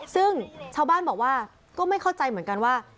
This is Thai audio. ซึ่งชาวบ้านบอกว่าก็ไม่เข้าใจเหมือนกันว่า